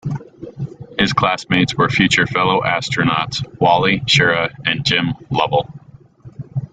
His classmates were future fellow astronauts Wally Schirra and Jim Lovell.